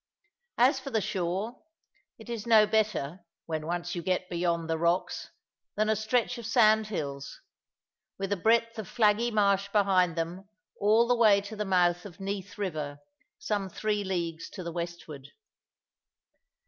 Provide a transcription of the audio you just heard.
As for the shore, it is no better (when once you get beyond the rocks) than a stretch of sandhills, with a breadth of flaggy marsh behind them all the way to the mouth of Neath river, some three leagues to the westward.